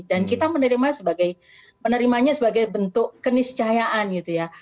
dan kita menerima sebagai penerimanya sebagai bentuk keniscayaan gitu ya